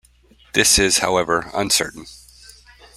This is however uncertain.